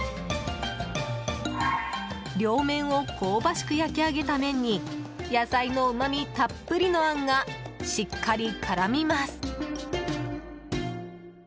両面を香ばしく焼き上げた麺に野菜のうまみたっぷりのあんがしっかり絡みます。